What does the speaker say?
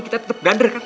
kita tetep gander kan